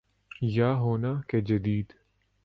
یا ہونا کہ جدید